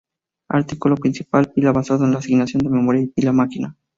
Artículo principal: Pila basada en la asignación de memoria y Pila máquina.